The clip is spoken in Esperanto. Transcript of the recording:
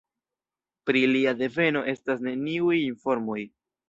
Pri lia deveno estas neniuj informoj.